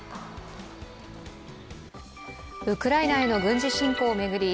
ウクライナへの軍事侵攻を巡り